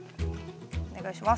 お願いします。